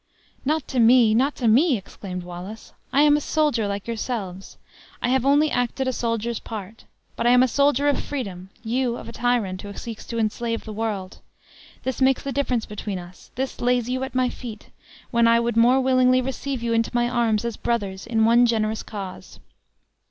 "Not to me, not to me!" exclaimed Wallace. "I am a soldier like yourselves. I have only acted a soldier's part; but I am a soldier of freedom, you of a tyrant, who seeks to enslave the world. This makes the difference between us; this lays you at my feet, when I would more willingly receive you into my arms as brothers in one generous cause."